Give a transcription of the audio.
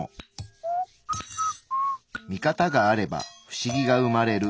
見方があればフシギが生まれる。